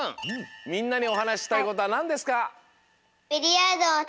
みんなにおはなししたいことはなんですか？